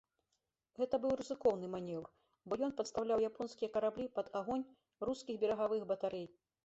Гэта быў рызыкоўны манеўр, бо ён падстаўляў японскія караблі пад агонь рускіх берагавых батарэй.